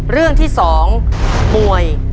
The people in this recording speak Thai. เรื่องที่๒มวย